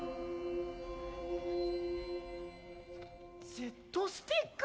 Ｚスティック？